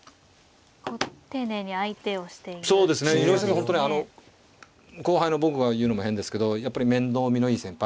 本当にあの後輩の僕が言うのも変ですけどやっぱり面倒見のいい先輩。